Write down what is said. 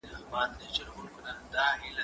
زه هره ورځ د کتابتون کتابونه لوستل کوم،